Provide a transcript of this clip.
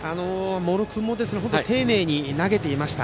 茂呂君も丁寧に投げていました。